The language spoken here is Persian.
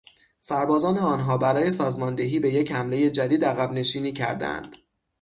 سربازان آنها برای سازماندهی به یک حملهی جدید عقبنشینی کردهاند.